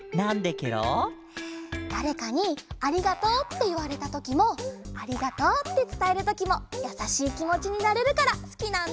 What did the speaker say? だれかに「ありがとう」っていわれたときも「ありがとう」ってつたえるときもやさしいきもちになれるからすきなんだ！